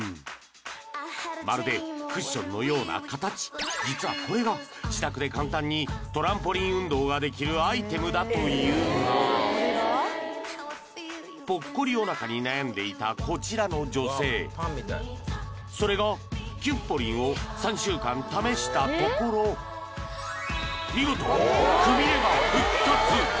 まるでクッションのような形実はこれがができるアイテムだというがぽっこりおなかに悩んでいたこちらの女性それがキュッポリンを３週間試したところ見事くびれが復活！